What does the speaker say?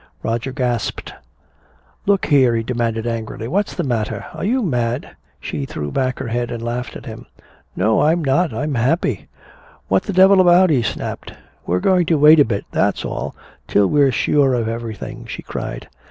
Roger gasped. "Look here!" he demanded, angrily. "What's the matter? Are you mad?" She threw back her head and laughed at him. "No, I'm not I'm happy!" "What the devil about?" he snapped. "We're going to wait a bit, that's all, till we're sure of everything!" she cried.